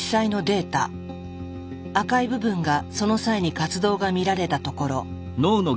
赤い部分がその際に活動が見られたところ。